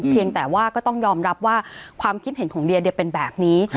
เพียงแต่ว่าก็ต้องยอมรับว่าความคิดเห็นของเดียเป็นแบบนี้